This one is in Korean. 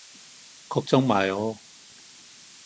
걱정 마요.